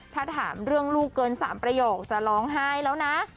ถ้าถามเรื่องลูกเกิน๓ประโยคจะร้องไห้แล้วนะ